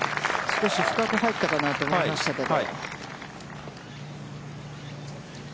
少し深く入ったかなと思いましたけど。